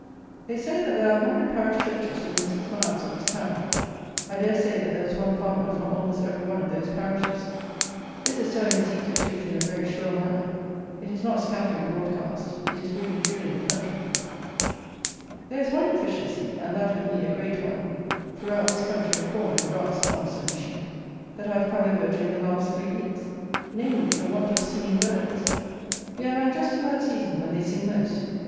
They say that there are a hundred parish churches within six miles of this town. I dare say that there was one farmer from almost every one of those parishes. This is sowing the seeds of truth in a very sure manner: it is not scattering broadcast; it is really drilling the country. There is one deficiency, and that, with me, a great one, throughout this country of corn and grass and oxen and sheep, that I have come over during the last three weeks; namely, the want of singing birds. We are now just in that season when they sing most.